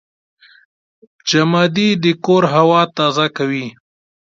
جمادې د کور هوا تازه کوي.